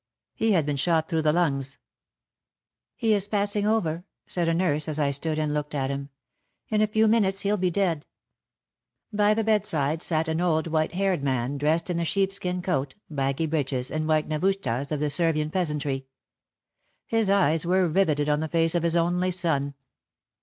He had been shot through the lungs. '* He is passing over," said a nurse as I stood and looked at him. '* In a few minutes he'll be dead." By the bedside sat an old 24 WAR AND WOMEN white haired man, dressed in the sheepskin coat, baggy breeches and white navushtas of the Servian peasantry. His eyes were riveted on the face of his only son.